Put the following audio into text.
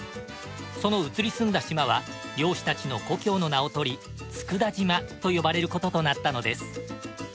その移り住んだ島は漁師たちの故郷の名をとり佃島と呼ばれることとなったのです。